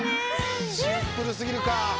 シンプル過ぎるか。